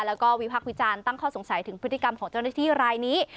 แล้วก็วิพักษ์วิจารณ์ตั้งข้อสงสัยถึงพฤติกรรมของเจ้าหน้าที่รายนี้